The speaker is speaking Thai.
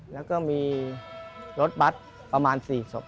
แล้วก็มีรถบัตรประมาณ๔ศพ